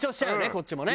こっちもね。